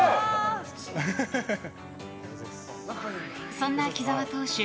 そんな木澤投手